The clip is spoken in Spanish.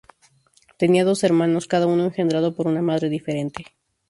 Tenía doce hermanos, cada uno engendrado por una madre diferente.